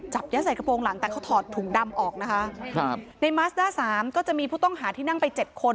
ยัดยัดใส่กระโปรงหลังแต่เขาถอดถุงดำออกนะคะครับในมาสด้าสามก็จะมีผู้ต้องหาที่นั่งไปเจ็ดคน